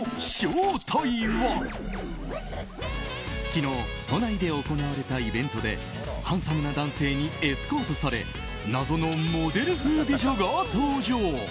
昨日、都内で行われたイベントでハンサムな男性にエスコートされ謎のモデル風美女が登場。